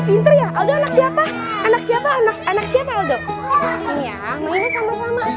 pinter ya aldo anak siapa anak siapa anak siapa aldo sini ya mainnya sama sama